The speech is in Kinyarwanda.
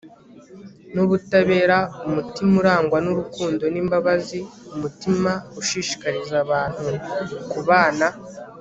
n'ubutabera, umutima urangwa n'urukundo n'imbabazi, umutima ushishikariza abantu kubana